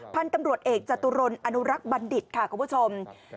พันธุ์ตำรวจเอกจตุรนอนุรักษ์บัณฑิตค่ะคุณผู้ชม